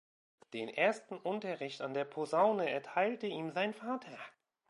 Den ersten Unterricht an der Posaune erteilte ihm sein Vater.